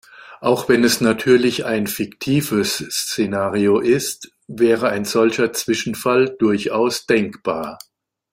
Auch wenn es natürlich ein fiktives Szenario ist, wäre ein solcher Zwischenfall durchaus denkbar.